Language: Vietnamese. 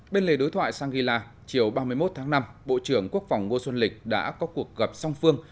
bên lề đối thoại sangila chiều ba mươi một tháng năm bộ trưởng quốc phòng ngô xuân lịch đã có cuộc gặp song phương